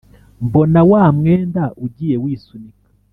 mbona wa mwenda ugiye wisunika.